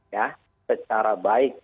ya secara baik